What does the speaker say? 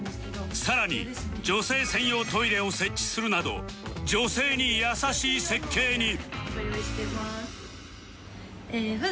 さらに女性専用トイレを設置するなど女性に優しい設計に